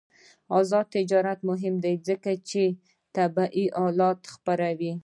آزاد تجارت مهم دی ځکه چې طبي آلات خپروي.